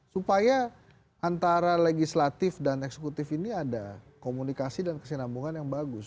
supaya antara legislatif dan eksekutif ini ada komunikasi dan kesinambungan yang bagus